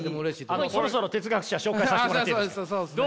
あのそろそろ哲学者紹介させてもらっていいですか？